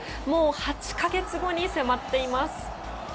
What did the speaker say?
もう８か月後に迫っています。